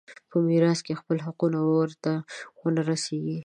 په میراث کې خپل حقونه ور ونه رسېږي.